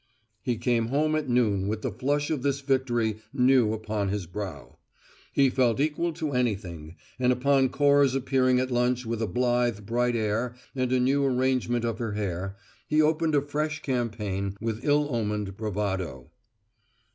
He came home at noon with the flush of this victory new upon his brow. He felt equal to anything, and upon Cora's appearing at lunch with a blithe, bright air and a new arrangement of her hair, he opened a fresh campaign with ill omened bravado.